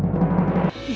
aku mau ke rumah